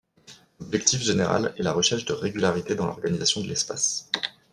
L'objectif général est la recherche de régularités dans l’organisation de l'espace.